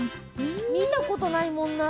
見たことないもんな。